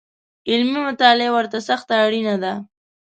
علمي مطالعه ورته سخته اړینه ده